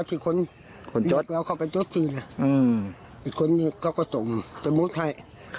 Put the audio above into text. ที่คนจดเอาเข้าไปจดจีนอีกคนนี้เขาก็ส่งสมุดให้